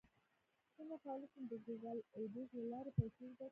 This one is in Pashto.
څنګه کولی شم د ګوګل اډز له لارې پیسې وګټم